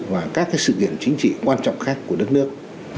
và các sự kiện chính trị quan trọng khác của đất nước